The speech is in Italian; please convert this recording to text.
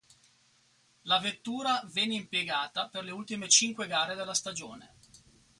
La vettura vene impiegata per le ultime cinque gare della stagione.